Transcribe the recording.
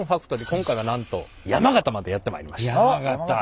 今回はなんと山形までやって参りました。